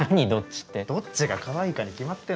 どっちがかわいいかに決まってんだろ。